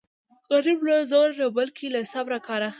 غریب له زوره نه بلکې له صبره کار اخلي